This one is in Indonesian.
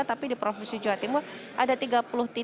tapi di provinsi jawa timur ada tiga puluh tiga titik